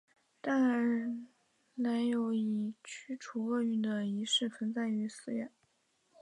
但仍有以驱除恶运的仪式存在的寺院。